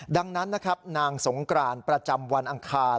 ดังนั้นนะครับนางสงกรานประจำวันอังคาร